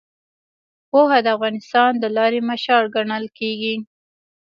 پوهه د انسان د لارې مشال ګڼل کېږي.